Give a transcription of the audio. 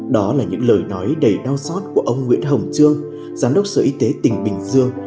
đó là những lời nói đầy đau xót của ông nguyễn hồng trương giám đốc sở y tế tỉnh bình dương